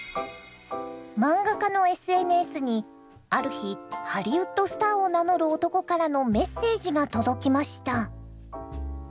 漫画家のＳＮＳにある日ハリウッドスターを名乗る男からのメッセージが届きました。